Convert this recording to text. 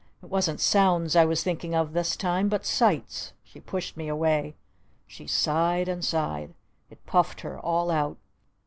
"It wasn't sounds I was thinking of this time, but sights!" She pushed me away. She sighed and sighed. It puffed her all out.